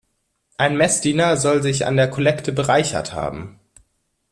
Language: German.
Ein Messdiener soll sich an der Kollekte bereichert haben.